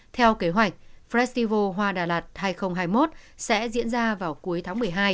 tổ chức festival hoa đà lạt năm hai nghìn hai mươi một sẽ diễn ra vào cuối tháng một mươi hai